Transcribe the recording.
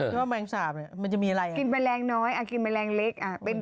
เท่าว่ามันจะมีอะไรมันจะมีแมลงน้อยแมลงเล็ก